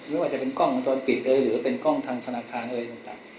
ไม่ว่าจะเป็นกล้องวงจรปิดเลยหรือเป็นกล้องทางธนาคารอะไรต่าง